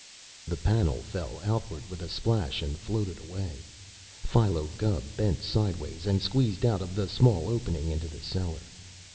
The panel fell outward with a splash, and floated away. Philo Gubb bent sideways and squeezed out of the small opening into the cellar.